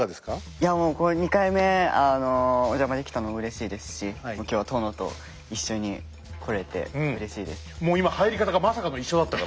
いやもうこれ２回目お邪魔できたのもうれしいですし今日は殿と一緒に来れてうれしいです。